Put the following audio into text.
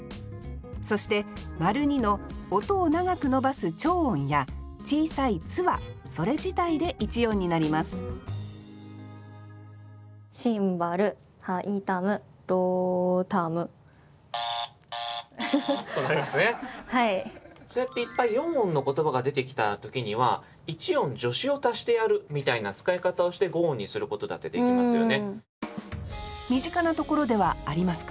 そして②の音を長く伸ばす長音や小さい「っ」はそれ自体で一音になりますそうやっていっぱい四音の言葉が出てきた時には一音助詞を足してやるみたいな使い方をして五音にすることだってできますよね。